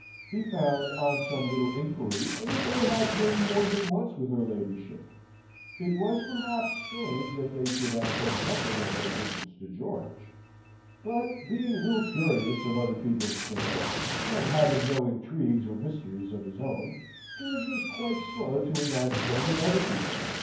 He found, on some little inquiry, that they had been more than once with her ladyship. It was, perhaps, strange that they should have said nothing of their visits to George; but, being little curious of other people's affairs, and having no intrigues or mysteries of his own, George was quite slow to imagine them in other people.